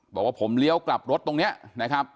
บอกว่าผมเลี้ยวกลับรถตรงนี้นะครับ